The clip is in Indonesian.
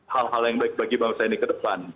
hal hal yang baik bagi bangsa ini ke depan